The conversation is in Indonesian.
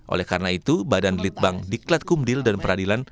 oleh karena itu badan litbang diklat kumdil dan peradilan